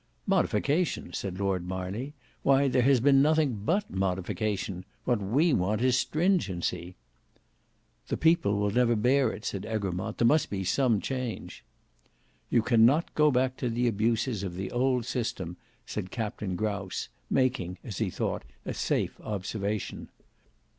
"Modification!" said Lord Marney; "why there has been nothing but modification. What we want is stringency." "The people will never bear it," said Egremont; "there must be some change." "You cannot go back to the abuses of the old system," said Captain Grouse, making, as he thought, a safe observation.